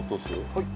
はい。